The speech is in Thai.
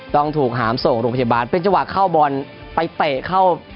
ต้องถูกหามส่งโรงพยาบาลเป็นจังหวะเข้าบอลไปเตะเข้า